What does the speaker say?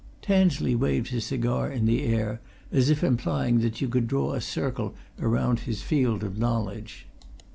Tansley waved his cigar in the air, as if implying that you could draw a circle around his field of knowledge.